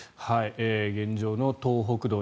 現状の東北道